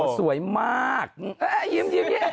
สวยมากยิ้ม